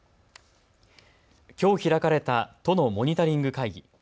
きょう開かれた都のモニタリング会議。